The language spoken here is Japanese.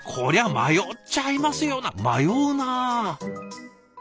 迷うな。